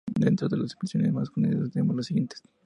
Dentro de las versiones más conocidas tenemos las siguientes.